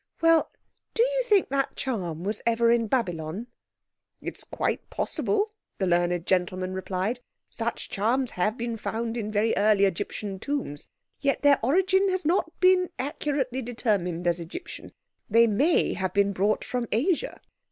"Well, do you think that charm was ever in Babylon?" "It's quite possible," the learned gentleman replied. "Such charms have been found in very early Egyptian tombs, yet their origin has not been accurately determined as Egyptian. They may have been brought from Asia.